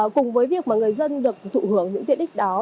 cùng với việc người dân được thụ hưởng những tiện đích đó